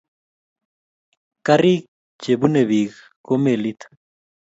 karik che bune peek ko melit